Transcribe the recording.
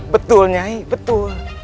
betul nyai betul